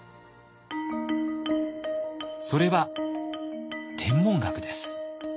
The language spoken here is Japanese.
それは天文学です。